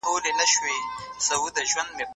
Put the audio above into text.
دا سیر له هغه ښه دی،